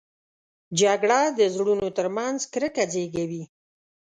جګړه د زړونو تر منځ کرکه زېږوي